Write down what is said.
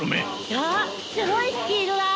わぁすごいスピードだ！